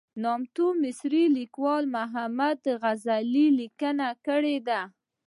نامت مصري لیکوال محمد غزالي لیکنې کړې دي.